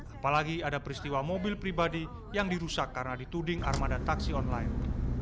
apalagi ada peristiwa mobil pribadi yang dirusak karena dituding armada taksi online